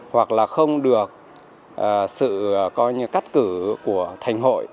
hoặc là không được sự coi như cắt cử của thành hội